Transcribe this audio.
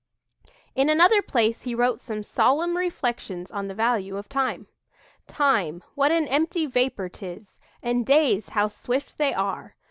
In another place he wrote some solemn reflections on the value of time: "Time, what an empty vapor 'tis, And days, how swift they are!